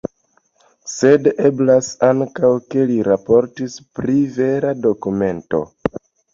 Sed eblas ankaŭ ke li raportis pri vera dokumento.